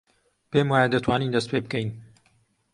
پێم وایە دەتوانین دەست پێ بکەین.